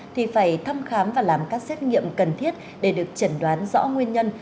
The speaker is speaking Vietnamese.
thì phải thăm khám và làm các xét nghiệm cần thiết để được chẩn đoán rõ nguyên nhân